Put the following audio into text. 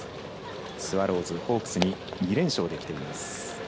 スワローズ、ホークスに２連勝できています。